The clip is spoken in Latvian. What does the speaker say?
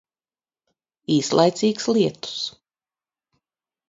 Īslaicīgs lietus.